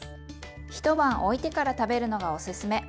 一晩おいてから食べるのがおすすめ。